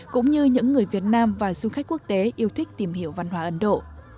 cũng như những người việt nam và du khách quốc tế yêu thích tìm hiểu văn hóa ấn độ